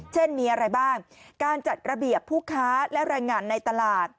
เช่นมีอะไรบ้างการจัดระเบียบผู้ค้าและแรงงานในตลาด